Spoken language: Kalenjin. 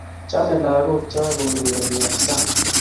Chame lagok chok kourereni eng' sang'